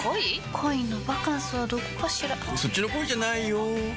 恋のバカンスはどこかしらそっちの恋じゃないよ